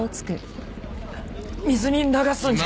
水に流すんじゃ。